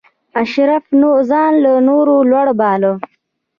اشراف ځان له نورو لوړ باله.